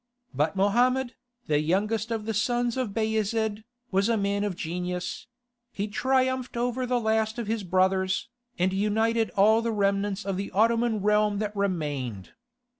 But Mohammed, the youngest of the sons of Bayezid, was a man of genius: he triumphed over the last of his brothers, and united all the remnants of the Ottoman realm that remained.